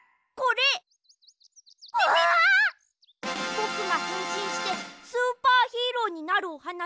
ぼくがへんしんしてスーパーヒーローになるおはなし。